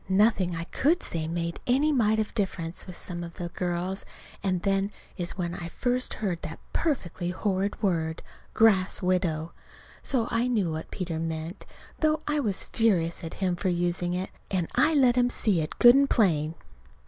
Nothing I could say made a mite of difference, with some of the girls, and then is when I first heard that perfectly horrid word, "grass widow." So I knew what Peter meant, though I was furious at him for using it. And I let him see it good and plain.